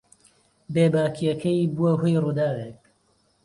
بێباکییەکەی بووە هۆی ڕووداوێک.